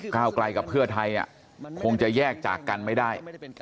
ไกลกับเพื่อไทยคงจะแยกจากกันไม่ได้